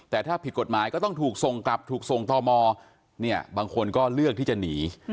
แต่ถ้าผิดกฎหมายก็ต้องถูกส่งกลับถูกส่งต่อมอเนี่ยบางคนก็เลือกที่จะหนี